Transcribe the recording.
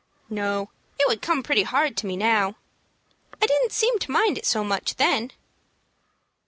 "No, it would come pretty hard to me now. I didn't seem to mind it so much then."